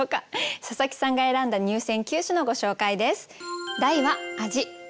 佐佐木さんが選んだ入選九首のご紹介です。